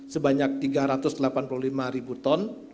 sebanyak tiga ratus delapan puluh lima ribu ton